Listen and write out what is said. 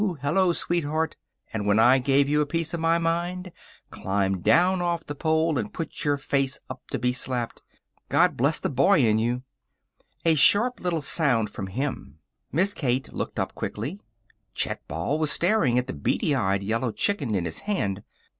Hello, sweetheart!" and when I gave you a piece of my mind, climbed down off the pole, and put your face up to be slapped, God bless the boy in you A sharp little sound from him. Miss Kate looked up, quickly. Chet Ball was staring at the beady eyed yellow chicken in his hand.